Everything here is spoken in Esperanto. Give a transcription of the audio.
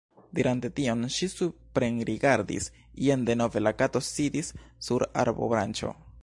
Dirante tion, ŝi suprenrigardis. Jen denove la Kato sidis sur arbobranĉo.